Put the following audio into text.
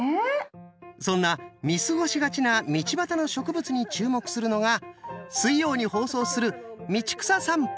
そんな見過ごしがちな道端の植物に注目するのが水曜に放送する「道草さんぽ・春」。